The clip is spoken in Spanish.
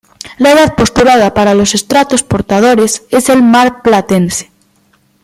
La edad postulada para los estratos portadores es el Marplatense.